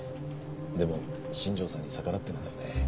でも新庄さんに逆らってまではね。